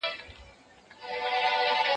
زه به سبا د درسونو يادوم،